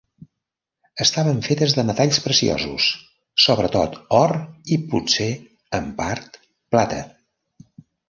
Estaven fetes de metalls preciosos, sobretot or i potser, en part, plata.